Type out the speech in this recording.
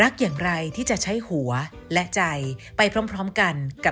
สวัสดีค่ะ